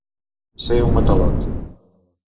Ser un matalot.